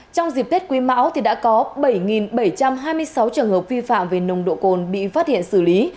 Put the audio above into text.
trong dịp tết quý mão thì đã có bảy bảy trăm hai mươi sáu trường hợp vi phạm về nồng độ cồn bị phát hiện xử lý